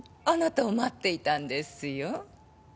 あなたを待っていたんですよ。